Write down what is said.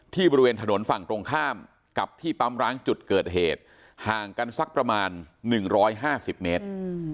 บริเวณถนนฝั่งตรงข้ามกับที่ปั๊มร้างจุดเกิดเหตุห่างกันสักประมาณ๑๕๐เมตร